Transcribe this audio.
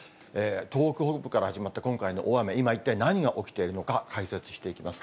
東北北部から始まった今回の大雨、今、一体何が起きているのか、解説していきます。